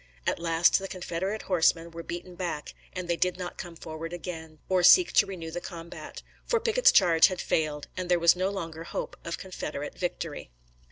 At last the Confederate horsemen were beaten back, and they did not come forward again or seek to renew the combat; for Pickett's charge had failed, and there was no longer hope of Confederate victory.